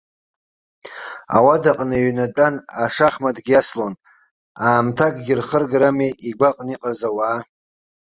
Ауадаҟны иҩнатәан, ашахматгьы иаслон, аамҭакгьы рхыргарами игәаҟны иҟаз ауаа.